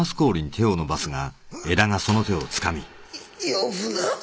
呼ぶな。